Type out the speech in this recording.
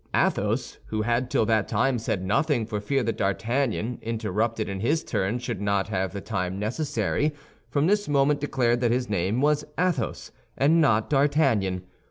Athos, who had till that time said nothing for fear that D'Artagnan, interrupted in his turn, should not have the time necessary, from this moment declared that his name was Athos, and not D'Artagnan.